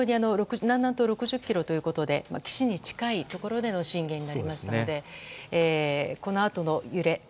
南南東６０ｋｍということで岸に近いところでの震源になりましたのでこのあとの揺れ